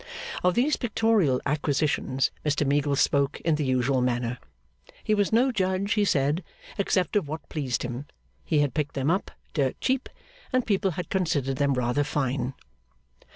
Of these pictorial acquisitions Mr Meagles spoke in the usual manner. He was no judge, he said, except of what pleased himself; he had picked them up, dirt cheap, and people had considered them rather fine.